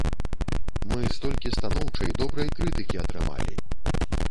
Мы столькі станоўчай, добрай крытыкі атрымалі!